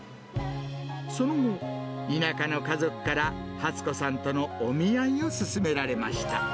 その後、田舎の家族から初子さんとのお見合いを勧められました。